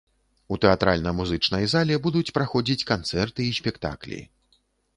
У тэатральна-музычнай зале будуць праходзіць канцэрты і спектаклі.